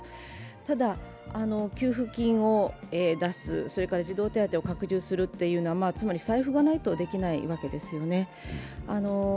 ただ、給付金を出す、それから児童手当を拡充するというのは、つまり財布がないとできないわけですよね。